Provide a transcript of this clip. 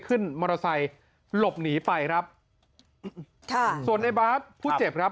ขึ้นมอเตอร์ไซค์หลบหนีไปครับค่ะส่วนในบาสผู้เจ็บครับ